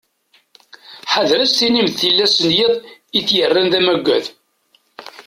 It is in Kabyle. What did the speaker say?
Ḥader ad as-tinim d tillas n yiḍ i t-yerran d amaggad.